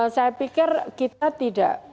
saya pikir kita tidak